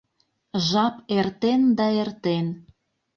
Жап эртен да эртен.